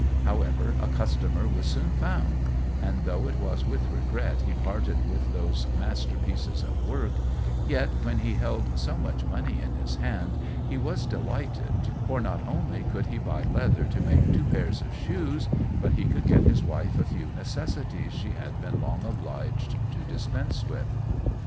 However, a customer was soon found; and though it was with regret he parted with those master pieces of work, yet, when he held so much money in his hand, he was delighted, for not only could he buy leather to make two pairs of shoes, but he could get his wife a few necessaries she had been long obliged to dispense with.